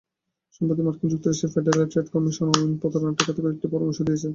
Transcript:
সম্প্রতি মার্কিন যুক্তরাষ্ট্রের ফেডারেল ট্রেড কমিশন অনলাইন প্রতারণা ঠেকাতে কয়েকটি পরামর্শ দিয়েছে।